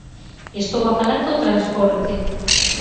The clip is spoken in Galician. Estou a falar do transporte.